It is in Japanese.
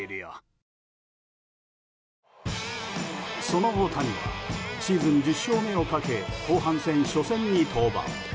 その大谷はシーズン１０勝目をかけ後半戦初戦に登板。